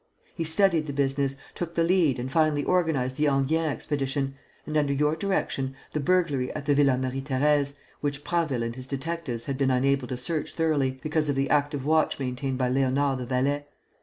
He studied the business, took the lead and finally organized the Enghien expedition and, under your direction, the burglary at the Villa Marie Thérèse, which Prasville and his detectives had been unable to search thoroughly, because of the active watch maintained by Léonard the valet.